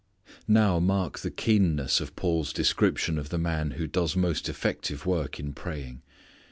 Now mark the keenness of Paul's description of the man who does most effective work in praying.